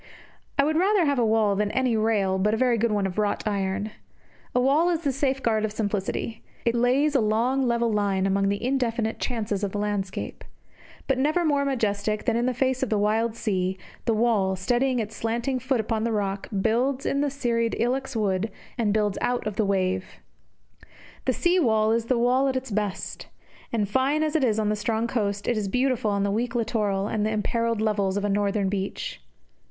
I would rather have a wall than any rail but a very good one of wrought iron. A wall is the safeguard of simplicity. It lays a long level line among the indefinite chances of the landscape. But never more majestic than in face of the wild sea, the wall, steadying its slanting foot upon the rock, builds in the serried ilex wood and builds out the wave. The sea wall is the wall at its best. And fine as it is on the strong coast, it is beautiful on the weak littoral and the imperilled levels of a northern beach.